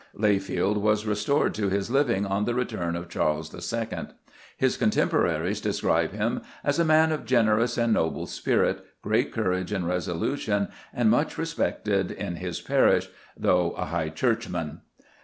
Layfield was restored to his living on the return of Charles II. His contemporaries describe him as "a man of generous and noble spirit, great courage and resolution, and much respected in his parish, though a High Churchman."